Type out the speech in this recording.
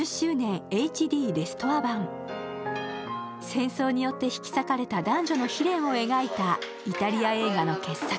戦争によって引き裂かれた男女の悲恋を描いたイタリア映画の傑作。